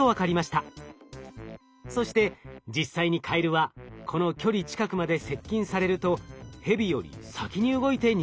そして実際にカエルはこの距離近くまで接近されるとヘビより先に動いて逃げ始めます。